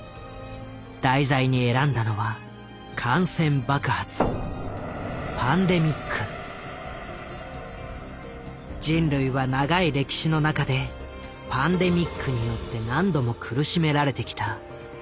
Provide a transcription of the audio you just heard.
題材に選んだのは感染爆発人類は長い歴史の中でパンデミックによって何度も苦しめられてきた。